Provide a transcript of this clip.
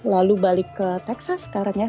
lalu balik ke texas sekarang ya